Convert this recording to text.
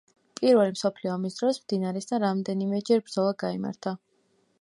პირველი მსოფლიო ომის დროს მდინარესთან რამდენიმეჯერ ბრძოლა გაიმართა.